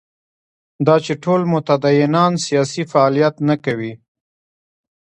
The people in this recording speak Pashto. دا چې ټول متدینان سیاسي فعالیت نه کوي.